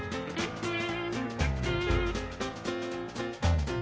うん。